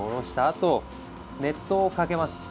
あと熱湯をかけます。